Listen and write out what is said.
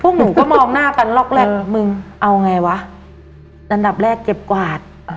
หนูก็มองหน้ากันล็อกแรกมึงเอาไงวะอันดับแรกเก็บกวาด